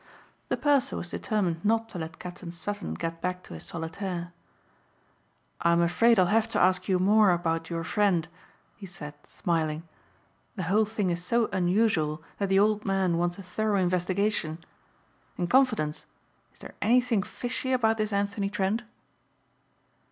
The purser was determined not to let Captain Sutton get back to his solitaire. "I'm afraid I'll have to ask you more about your friend," he said smiling, "the whole thing is so unusual that the old man wants a thorough investigation. In confidence, is there anything fishy about this Anthony Trent?"